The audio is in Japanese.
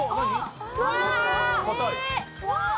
硬い？